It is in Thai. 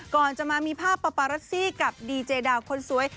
ก่อนจะมามีภาพปาปารัสซี่กับดีเจดาวคนสวย